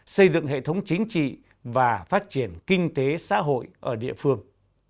xây dựng hệ thống chính trị và phát triển kinh tế xã hội ở địa phương